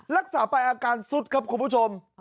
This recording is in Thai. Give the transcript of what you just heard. รักษาไปอาการสุดครับคุณผู้ชม